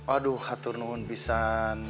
aduh hatunuhun pisang